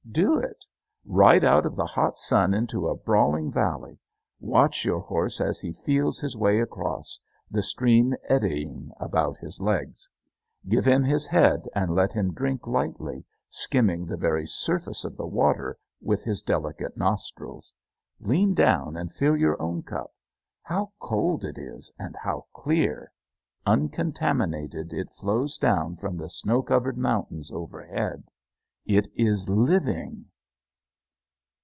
Do it. Ride out of the hot sun into a brawling valley. Watch your horse as he feels his way across, the stream eddying about his legs. Give him his head and let him drink lightly, skimming the very surface of the water with his delicate nostrils. Lean down and fill your own cup. How cold it is, and how clear! Uncontaminated it flows down from the snow covered mountains overhead. It is living.